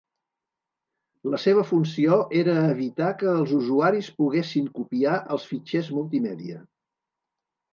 La seva funció era evitar que els usuaris poguessin copiar els fitxers multimèdia.